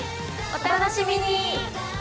お楽しみに！